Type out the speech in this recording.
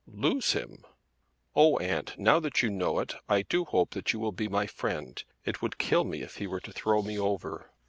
"Lose him!" "Oh, aunt, now that you know it I do hope that you will be my friend. It would kill me if he were to throw me over."